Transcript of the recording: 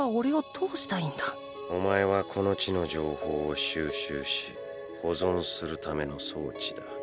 ⁉お前はこの地の情報を収集し保存するための装置だ。